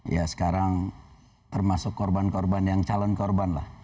ya sekarang termasuk korban korban yang calon korban lah